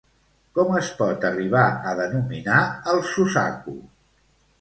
Com es pot arribar a denominar el Suzaku?